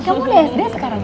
kamu sd sekarang ya